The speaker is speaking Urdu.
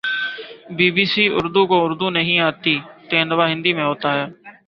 بی بی سی اردو کو اردو نہیں آتی تیندوا ہندی میں ہوتاہے